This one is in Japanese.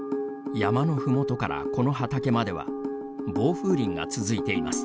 山のふもとからこの畑までは防風林が続いています。